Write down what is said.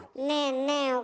ねえねえ